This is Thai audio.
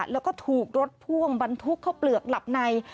แล้วก็ถูกรถพ่วงบรรทุกเข้าเปลือกหลับใน